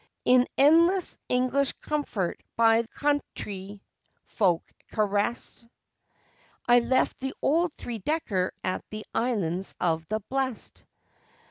In endless English comfort by county folk caressed, I left the old three decker at the Islands of the Blest!